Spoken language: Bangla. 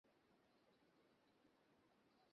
চেন্নাইয়ের ক্ষেত্রে তো সেটাই ঘটল।